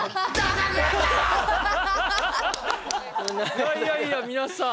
いやいやいや皆さん。